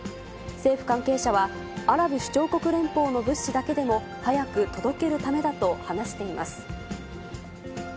政府関係者は、アラブ首長国連邦の物資だけでも、早く届けるためだと話しています。